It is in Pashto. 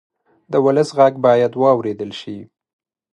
د ولس غږ باید واورېدل شي.